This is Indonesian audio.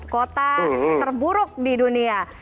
kota terburuk di dunia